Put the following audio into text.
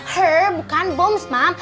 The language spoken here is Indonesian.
heee bukan bom mam